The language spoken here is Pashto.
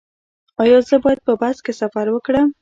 ایا زه باید په بس کې سفر وکړم؟